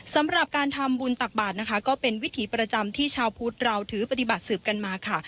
สำหรับการทำบุญตักบาทนะคะก็เป็นวิถีประจำที่ชาวพุทธเราถือปฏิบัติสืบกันมาค่ะ